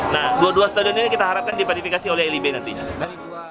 nah dua dua stadion ini kita harapkan diverifikasi oleh lib nantinya